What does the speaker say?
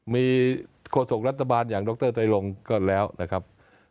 มีโฆษกรัฐบาลอย่างดรไตรงก็แล้วนะครับ